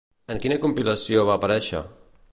En quina compilació va aparèixer?